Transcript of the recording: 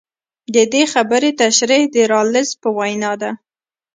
د دې خبرې تشرېح د رالز په وینا ده.